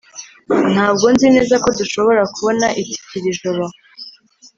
ntabwo nzi neza ko dushobora kubona itike iri joro